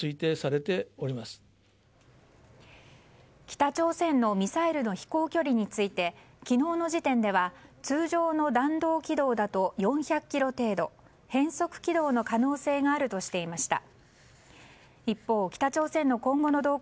北朝鮮のミサイルの飛行距離について昨日の時点では通常の弾道軌道だと４００ｋｍ程度変則軌道の可能性があるとしていました。